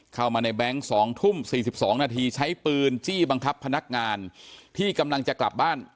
เข้ามาในแบงค์๒ทุ่ม๔๒นาทีใช้ปืนจี้บังคับพนักงานที่กำลังจะกลับบ้าน